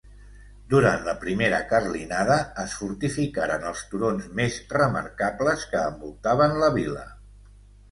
Durant la primera carlinada es fortificaren els turons més remarcables que envoltaven la vila.